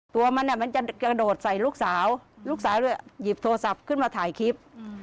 ตัวมันมันจะกระโดดใส่ลูกสาวลูกสาวด้วยหยิบโทรศัพท์ขึ้นมาถ่ายคลิป